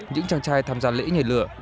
những chàng trai tham gia lễ nhảy lửa